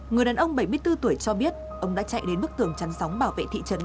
người đàn ông bảy mươi bốn tuổi cho biết ông đã chạy đến bức tường chắn sóng bảo vệ thị trấn